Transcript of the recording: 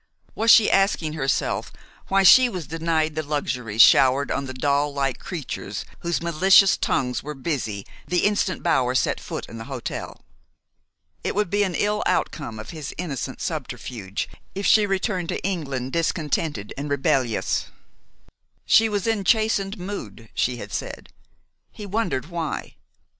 Was she asking herself why she was denied the luxuries showered on the doll like creatures whose malicious tongues were busy the instant Bower set foot in the hotel? It would be an ill outcome of his innocent subterfuge if she returned to England discontented and rebellious. She was in "chastened mood," she had said. He wondered why?